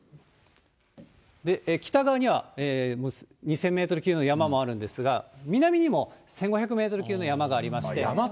北側には２０００メートル級の山もあるんですが、南にも１５００メートル級の山がありまして。